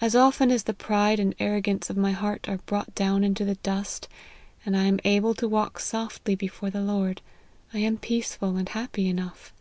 As often as the pride and arrogance of my heart are brought down into the dust, and 1 am able to walk softly before the Lord, I am peaceful and happy enough.